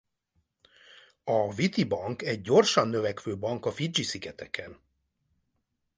A Viti Bank egy gyorsan növekvő bank a Fidzsi-szigeteken.